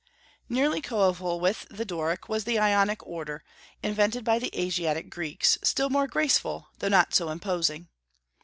Nearly coeval with the Doric was the Ionic order, invented by the Asiatic Greeks, still more graceful, though not so imposing.